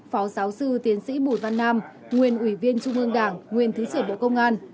phó giáo sư tiến sĩ bùi văn nam nguyên ủy viên trung ương đảng nguyên thứ trưởng bộ công an